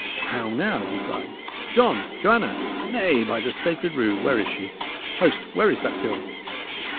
how now!" he cried. "John! Joanna! Nay, by the sacred rood! where is she? Host, where is that girl?"